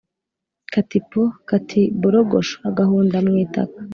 kati poo, kati borogosho.-agahunda mu itaka.